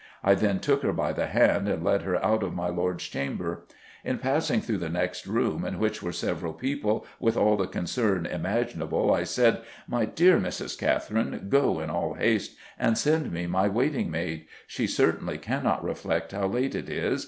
I then took her by the hand and led her out of my lord's chamber. In passing through the next room, in which were several people, with all the concern imaginable, I said, 'My dear Mrs. Catherine, go in all haste and send me my waiting maid; she certainly cannot reflect how late it is.